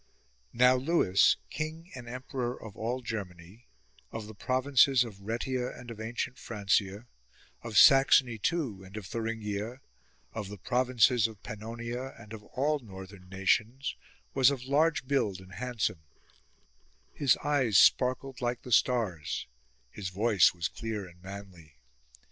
Now Lewis, King and Emperor of all Ger many, of the provinces of Rhaetia and of ancient Francia, of Saxony too and of Thuringia, of the provinces of Pannonia and of all northern nations, was of large build and handsome ; his eyes sparkled like the stars, his voice was clear and manly.